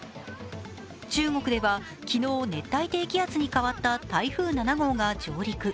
中国では昨日、熱帯低気圧に変わった台風７号が上陸。